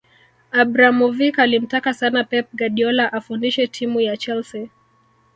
Abramovic alimtaka sana Pep Guardiola afundishe timu ya chelsea